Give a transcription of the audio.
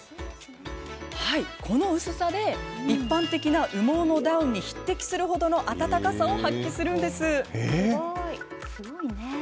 この薄さで、一般的な羽毛のダウンに匹敵する程の暖かさを発揮するんです。